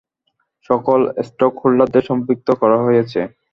সকল স্টেক হোল্ডারদের সম্পৃক্ত করা হয়েছে।